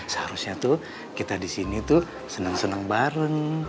seharusnya tuh kita disini tuh seneng seneng bareng